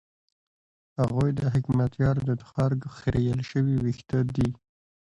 هغوی د حکمتیار د تخرګ خرېیل شوي وېښته دي.